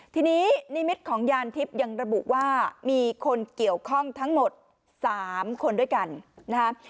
ทีนี้นิมิตของยานทิพย์ยังระบุว่ามีคนเกี่ยวข้องทั้งหมด๓คนด้วยกันนะครับ